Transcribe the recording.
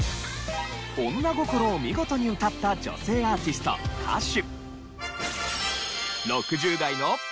女心を見事に歌った女性アーティスト・歌手。